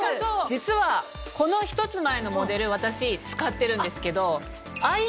実はこの１つ前のモデル私使ってるんですけど。